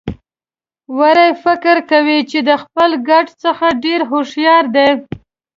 وری فکر کوي چې د خپل ګډ څخه ډېر هوښيار دی.